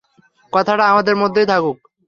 কথাটা আমাদের মধ্যেই থাকুক?